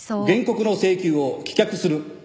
原告の請求を棄却する。